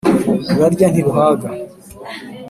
Rurarya ntiruhaga.